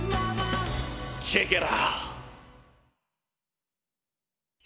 チェケラ。